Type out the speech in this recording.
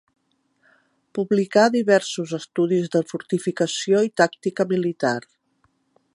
Publicà diversos estudis de fortificació i tàctica militar.